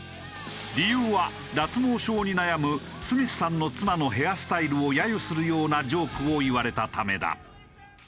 理由は脱毛症に悩むスミスさんの妻のヘアスタイルを揶揄するようなジョークを言われたためだ。